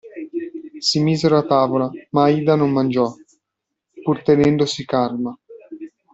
Si misero a tavola, ma Aida non mangiò, pur tenendosi calma.